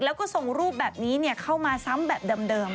แล้วก็ส่งรูปแบบนี้เข้ามาซ้ำแบบเดิม